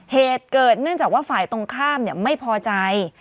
เหตุเกิดเนื่องจากว่าฝ่ายตรงข้ามไม่พอใจ